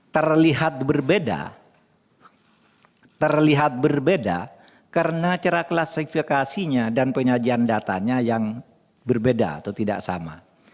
terlihat berbeda karena cara klasifikasinya dan penyajian datanya yang berbeda atau tidak sama